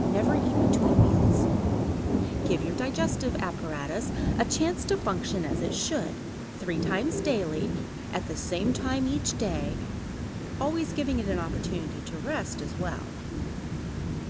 Never eat between meals. Give your digestive apparatus a chance to function as it should, three times daily, at the same time each day, always giving it an opportunity to rest as well.